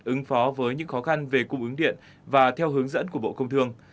ứng phó với những khó khăn về cung ứng điện và theo hướng dẫn của bộ công thương